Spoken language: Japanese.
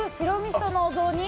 そのお雑煮。